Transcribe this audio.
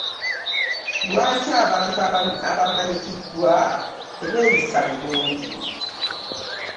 Lwaki abantu abamanyikidwa tebeyisa bulungi?